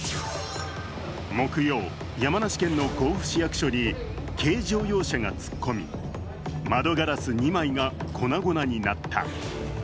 木曜、山梨県の甲府市役所に軽乗用車が突っ込み、窓ガラス２枚が粉々になった。